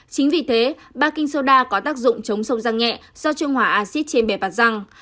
chính vì thế baking soda có tác dụng chống sâu răng nhẹ do trung hòa acid trên bề bạc răng